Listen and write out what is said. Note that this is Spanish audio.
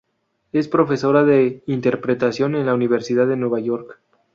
Es profesora de interpretación en la Universidad de Nueva York.